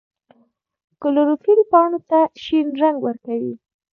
کلوروفیل پاڼو ته شین رنګ ورکوي